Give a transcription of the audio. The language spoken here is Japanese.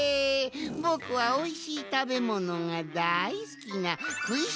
ぼくはおいしいたべものがだいすきなくいしんぼう宝箱。